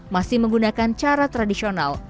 masih menggunakan cara tradisional